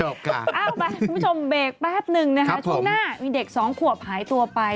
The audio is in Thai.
เอ้าไปคุณผู้ชมเบรกแป๊บหนึ่งนะครับที่หน้ามีเด็ก๒ขวบหายตัวไป